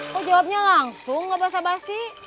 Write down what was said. kok jawabnya langsung gak basa basi